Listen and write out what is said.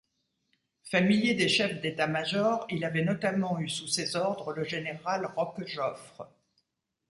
Familier des chefs d'état-major, il avait notamment eu sous ses ordres le général Roquejeoffre.